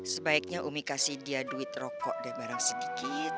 sebaiknya umi kasih dia duit rokok dia barang sedikit